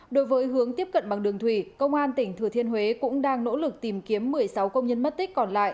đối với hướng tiếp cận bằng đường thủy công an tỉnh thừa thiên huế cũng đang nỗ lực tìm kiếm một mươi sáu công nhân mất tích còn lại